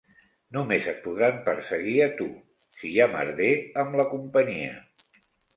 Només et podran perseguir a tu, si hi ha merder amb la companyia.